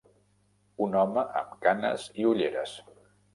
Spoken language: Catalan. Un home amb canes i ulleres.